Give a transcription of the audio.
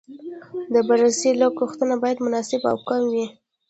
د بررسۍ لګښتونه باید مناسب او کم وي.